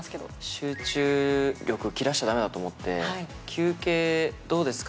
集中力を切らしちゃダメだと思って休憩どうですか？